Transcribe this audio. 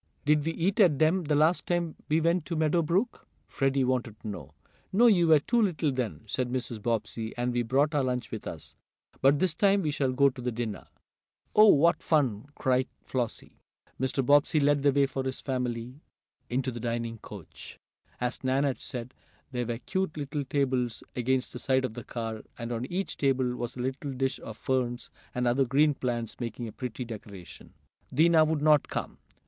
"Did we eat at them the last time we went to Meadow Brook?" Freddie wanted to know. "No, you were too little then," said Mrs. Bobbsey, "and we brought our lunch with us. But this time we shall go to the diner." "Oh, what fun!" cried Flossie. Mr. Bobbsey led the way for his family into the dining coach. As Nan had said, there were cute little tables against the side of the car, and on each table was a little dish of ferns, and other green plants, making a pretty decoration. Dinah would not come.